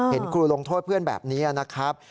เห็นครูลงโทษเพื่อนแบบนี้นะครับ